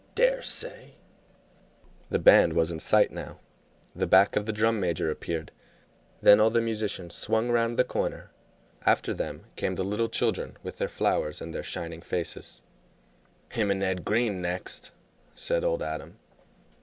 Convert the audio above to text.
Dare say " The band was in sight now, the back of the drum major appeared, then all the musicians swung round the corner. After them came the little children with their flowers and their shining faces. "Him and Ed Green next," said old Adam.